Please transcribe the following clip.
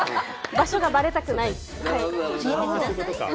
場所がばれたくない。